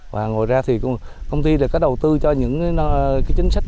và ngồi ra thì công ty có đầu tư cho những chính sách